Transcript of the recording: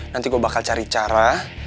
nanti gue bakal cari cara